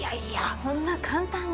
そんな簡単に。